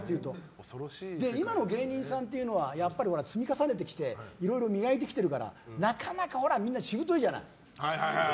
今の芸人さんっていうのはやっぱり積み重ねてきていろいろ磨いてきてるからなかなか、しぶといじゃない。